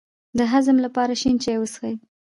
د هضم لپاره شین چای وڅښئ